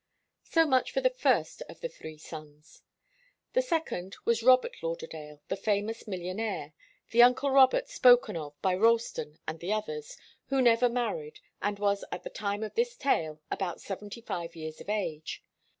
So much for the first of the three sons. The second was Robert Lauderdale, the famous millionaire, the uncle Robert spoken of by Ralston and the others, who never married, and was at the time of this tale about seventy five years of age.